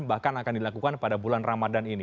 bahkan akan dilakukan pada bulan ramadan ini